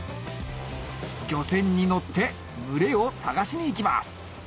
漁船に乗って群れを探しに行きます